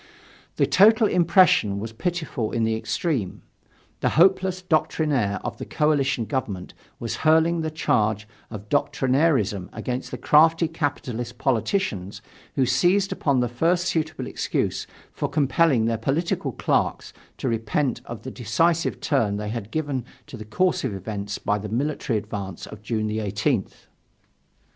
The total impression was pitiful in the extreme: the hopeless doctrinaire of the coalition government was hurling the charge of doctrinairism against the crafty capitalist politicians who seized upon the first suitable excuse for compelling their political clerks to repent of the decisive turn they had given to the course of events by the military advance of June 18th.